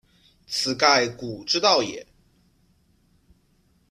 此盖古之道也。